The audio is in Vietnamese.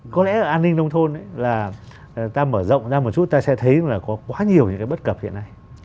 có lẽ an ninh nông thôn là ta mở rộng ra một chút ta sẽ thấy là có quá nhiều những cái bất cập hiện nay